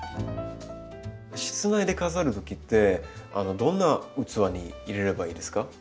室内で飾る時ってどんな器に入れればいいですか？